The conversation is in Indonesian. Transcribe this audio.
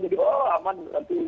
jadi oh aman nanti